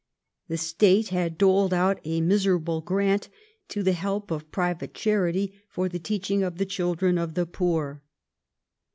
The State had doled out a miserable grant to the help of private charity, for the teaching of the children of the poor.